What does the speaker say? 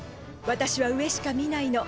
私は上しか見ないの。